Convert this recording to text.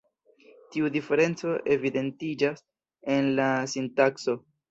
Tiu diferenco evidentiĝas en la sintakso.